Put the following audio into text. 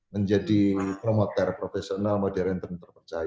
menjadi promoter profesional modern tentang kelembagaan